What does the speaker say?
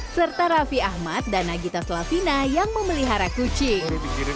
serta raffi ahmad dan nagita slavina yang memelihara kucing